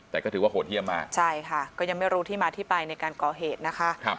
แต่ก็ถือว่าโหดเยี่ยมมากใช่ค่ะก็ยังไม่รู้ที่มาที่ไปในการก่อเหตุนะคะ